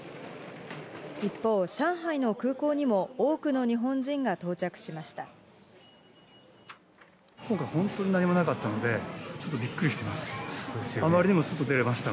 一方、上海の空港にも多くの日本人が到着しました。